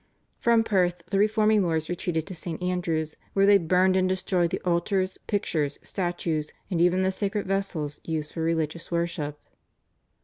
From Perth the reforming lords retreated to St. Andrew's, where they burned and destroyed the altars, pictures, statues, and even the sacred vessels used for religious worship.